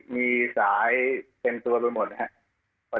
มีสายเต็มตัวไปหมดนะครับ